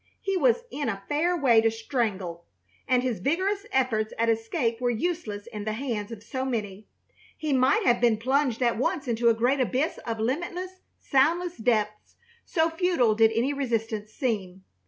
He was in a fair way to strangle, and his vigorous efforts at escape were useless in the hands of so many. He might have been plunged at once into a great abyss of limitless, soundless depths, so futile did any resistance seem.